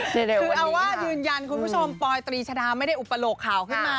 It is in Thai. คือเอาว่ายืนยันคุณผู้ชมปอยตรีชดาไม่ได้อุปโลกข่าวขึ้นมา